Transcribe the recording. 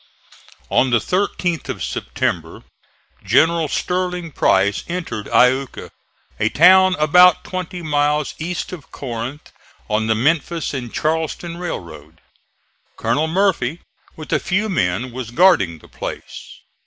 On the 13th of September General Sterling Price entered Iuka, a town about twenty miles east of Corinth on the Memphis and Charleston railroad. Colonel Murphy with a few men was guarding the place.